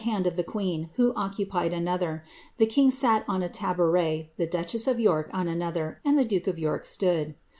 hand of the queen, who occupied another ; the king sat on a taboaret, the duchess of York on another, and the duke oif York stood.